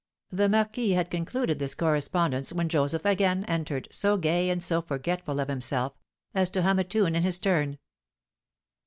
The marquis had concluded this correspondence when Joseph again entered, so gay, and so forgetful of himself, as to hum a tune in his turn.